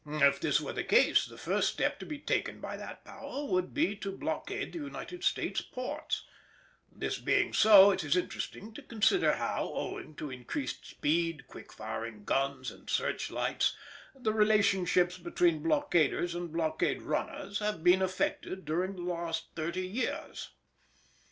If this were the case, the first step to be taken by that Power would be to blockade the United States ports. This being so, it is interesting to consider how, owing to increased speed, quick firing guns, and search lights, the relationships between blockaders and blockade runners have been affected during the last thirty years.